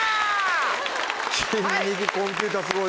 筋肉コンピューターすごいわ。